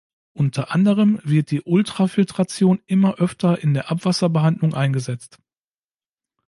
Unter anderem wird die Ultrafiltration immer öfter in der Abwasserbehandlung eingesetzt.